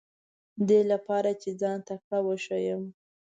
دې لپاره چې ځان تکړه وښیم.